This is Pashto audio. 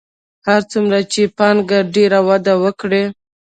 هر څومره چې پانګه ډېره وده وکړي